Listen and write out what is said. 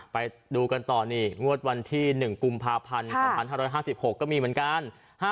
ไปดูกันต่อนี่งวดวันที่๑กุมภาพันธ์๒๕๕๖ก็มีเหมือนกัน